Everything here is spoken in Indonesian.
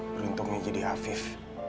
beruntungnya jadi afif